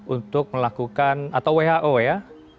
untuk melakukan atau who ya